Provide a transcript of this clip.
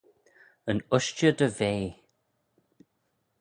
Yn ushtey dy vea.